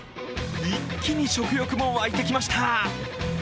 一気に食欲も湧いてきました。